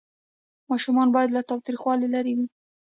ماشومان باید له تاوتریخوالي لرې وي.